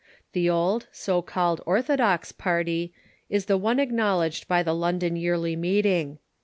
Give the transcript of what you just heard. The old, so called orthodox, party is the one acknowl edged by the London Yearly Meeting.